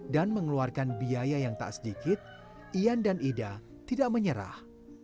dan mengeluarkan biaya yang tak sedikit ian dan ida tidak menyerah